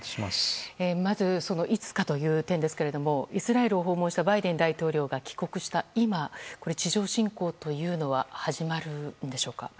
まず、いつかという点ですがイスラエルを訪問したバイデン大統領が帰国した今地上侵攻というのは始まるんでしょうか？